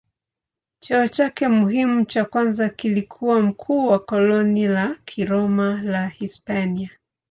Cheo chake muhimu cha kwanza kilikuwa mkuu wa koloni la Kiroma la Hispania.